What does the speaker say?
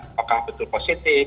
apakah betul positif